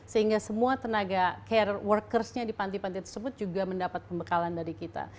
sehingga semua tenaga care workersnya di panti panti tersebut juga mendapat pembekalan dari kita